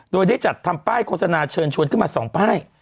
โดยได้จัดมาส่งป้าย